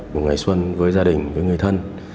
một ngày xuân với gia đình với người thân